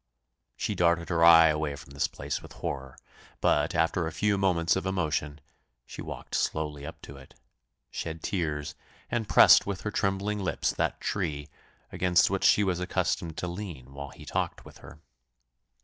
She darted her eye away from this place with horror; but, after a few moments of emotion, she walked slowly up to it shed tears, and pressed with her trembling lips that tree, against which she was accustomed to lean while he talked with her.